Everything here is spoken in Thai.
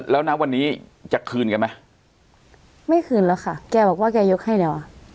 แล้วนะวันนี้จะคืนแกไหมไม่คืนแล้วค่ะแกบอกว่าแกยกให้แล้วอ่ะ